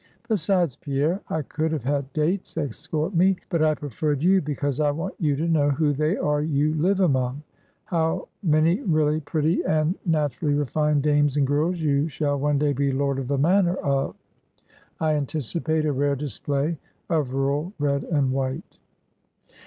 Besides, Pierre, I could have had Dates escort me, but I preferred you; because I want you to know who they are you live among; how many really pretty, and naturally refined dames and girls you shall one day be lord of the manor of. I anticipate a rare display of rural red and white."